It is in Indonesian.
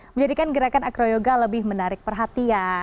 menjadikan gerakan acroyoga lebih menarik perhatian